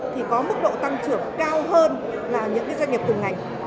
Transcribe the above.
thì có mức độ tăng trưởng cao hơn là những doanh nghiệp từng ngành